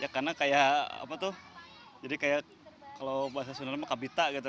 karena kayak apa tuh jadi kayak kalau bahasa sunda mah kabita gitu